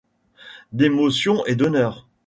d’émotion et d’horreur !